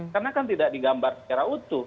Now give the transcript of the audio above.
karena kan tidak digambar secara utuh